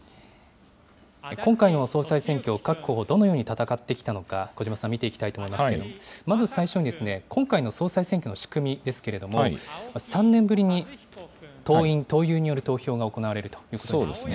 今回の総裁選挙を各候補、どのように戦ってきたのか、小嶋さん、見ていきたいと思いますけれども、まず最初に、今回の総裁選挙の仕組みですけれども、３年ぶりに党員・党友による投票が行われるということですね。